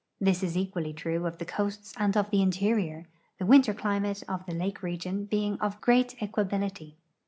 This is equally true of the coasts and of the interior, the winter climate of the lake region being of great equability.